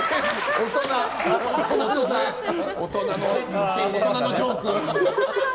大人のジョーク。